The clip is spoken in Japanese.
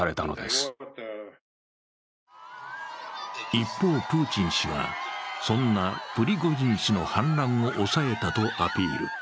一方、プーチン氏はそんなプリゴジン氏の反乱を抑えたとアピール。